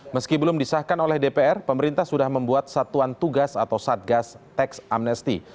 meski belum disahkan oleh dpr pemerintah sudah membuat satuan tugas atau satgas teks amnesti